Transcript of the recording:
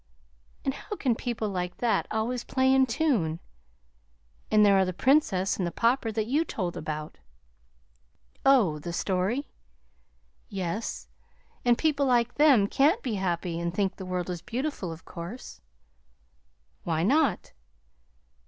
And how can people like that always play in tune? And there are the Princess and the Pauper that you told about." "Oh, the story?" "Yes; and people like them can't be happy and think the world is beautiful, of course." "Why not?"